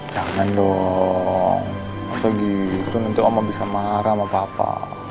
jangan dong maksudnya gitu nanti oma bisa marah sama papa